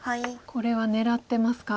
これは狙ってますか。